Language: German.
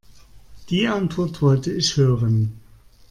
Die Antwort wollte ich hören.